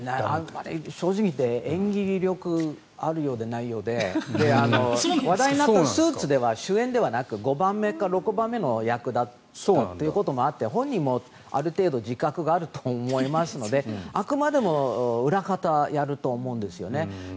正直言って演技力、あるようでないようで話題になった「スーツ」では主演ではなく５番目か６番目の出演だったということもあって本人もある程度自覚があると思いますのであくまでも裏方をやると思うんですね。